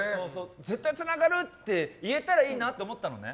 絶対つながるって言えたらいいなって思ったのね。